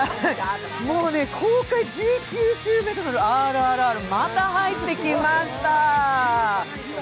もうね、公開１９週目となる「ＲＲＲ」、また入ってきました。